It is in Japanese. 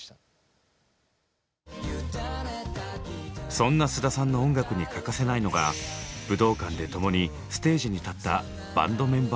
そんな菅田さんの音楽に欠かせないのが武道館で共にステージに立ったバンドメンバーの存在。